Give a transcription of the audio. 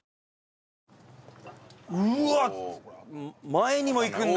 前にも行くんだ。